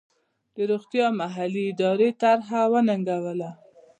د روغتیا محلي ادارې طرحه وننګوله.